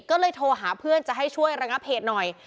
ก็เลยโทรหาเพื่อนจะให้ช่วยระงับเหตุหน่อย